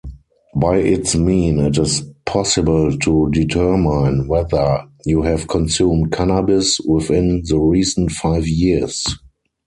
By its mean, it is possible to determine whether you have consumed Cannabis within the recent five years.